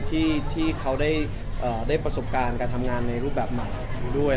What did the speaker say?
ที่เขาได้ประสบการณ์การทำงานในรูปแบบใหม่ด้วย